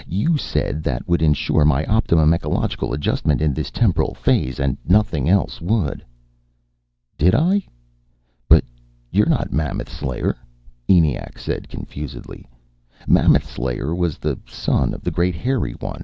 You said that would insure my optimum ecological adjustment in this temporal phase, and nothing else would." "Did I? But you're not Mammoth Slayer," ENIAC said confusedly. "Mammoth Slayer was the son of the Great Hairy One.